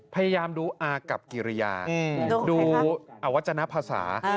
พยายามดูอากับกิริยาดูอวัจนภาษา